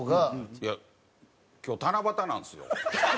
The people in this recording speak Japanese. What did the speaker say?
いや、今日、七夕なんですよ。